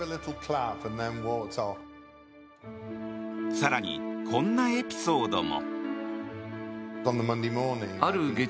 更に、こんなエピソードも。